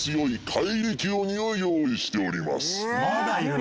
まだいるの？